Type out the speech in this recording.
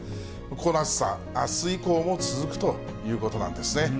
この暑さ、あす以降も続くということなんですね。